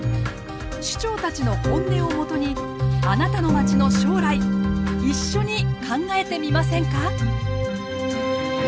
首長たちの本音をもとにあなたのまちの将来一緒に考えてみませんか？